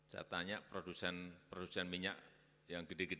saya tanya produsen minyak yang gede gede